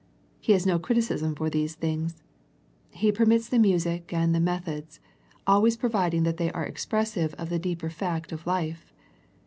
He has no criticism for these things. He permits the music and the methods, always providing that they are expressive of the deeper fact of life.